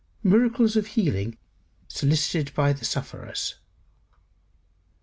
MIRACLES OF HEALING SOLICITED BY THE SUFFERERS.